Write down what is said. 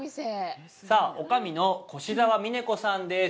さあ、女将の越沢美弥子さんです。